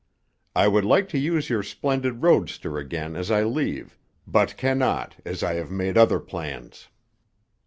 "I would like to use your splendid roadster again as I leave, but cannot, as I have made other plans.